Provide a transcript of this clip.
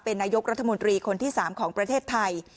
นายกรัฐมนตรีคนที่๓ของประเทศไทย